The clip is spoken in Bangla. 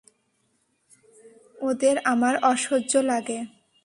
ওদের আমার অসহ্য লাগে।